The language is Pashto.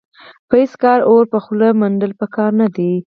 په هېڅ کار کې اور په خوله منډل په کار نه دي.